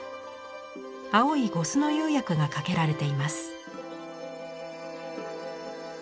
青い呉須の釉薬がかけられています。